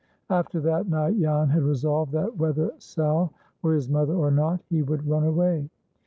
After that night Jan had resolved that, whether Sal were his mother or not, he would run away.